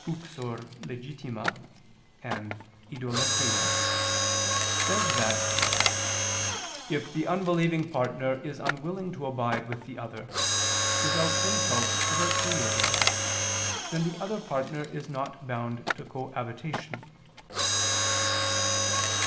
Uxor legitima, and Idololatria, qu. i] says that "if the unbelieving partner is unwilling to abide with the other, without insult to their Creator, then the other partner is not bound to cohabitation."